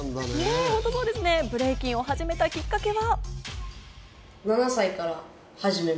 ブレイキンをはじめたきっかけは。